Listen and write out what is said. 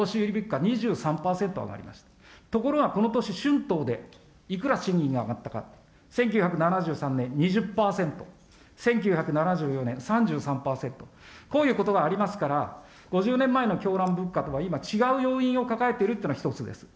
ところが、この年、春闘でいくら賃金が上がったか、１９７３年、２０％、１９７４年、３３％、こういうことがありますから、５０年前の狂乱物価とは今、違う要因を抱えてるっていうのが、１つです。